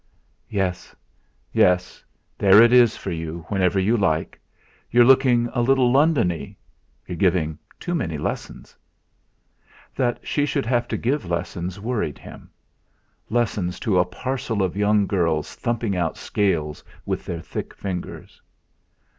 "Yes, yes; there it is for you whenever you like. You're looking a little Londony; you're giving too many lessons." That she should have to give lessons worried him. Lessons to a parcel of young girls thumping out scales with their thick fingers.